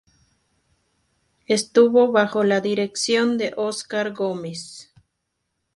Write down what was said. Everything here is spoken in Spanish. Estuvo bajo la dirección de Óscar Gómez.